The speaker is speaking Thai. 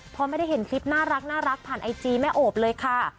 พอไม่ได้เห็นคลิปน่ารักผ่านไอจีแม่โอบเลยค่ะ